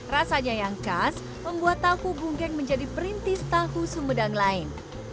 rasanya yang khas membuat tahu bunggeng menjadi perintis tahu sumedang lain